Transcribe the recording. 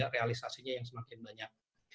realisasinya yang semakin banyak